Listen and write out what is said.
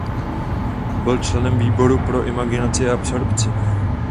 Byl členem výboru pro imigraci a absorpci.